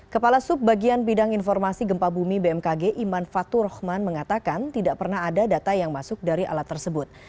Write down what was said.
kepala subbagian bidang informasi gempa bumi bmkg iman fatur rahman mengatakan tidak pernah ada data yang masuk dari alat tersebut